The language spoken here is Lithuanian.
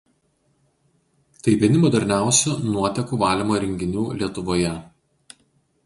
Tai vieni moderniausių nuotekų valymo įrenginių Lietuvoje.